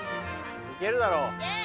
いけるだろ。